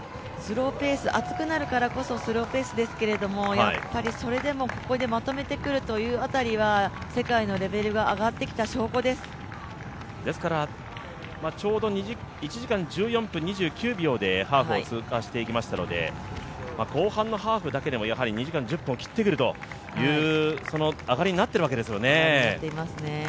暑くなるからこそスローペースですけれどもそれでもここでまとめてくるという辺りは、世界のレベルがですからちょうど１時間１４分２９秒でハーフを通過していきましたので、後半のハーフだけでも２時間１０分を切ってくるという上がりになっているわけですね。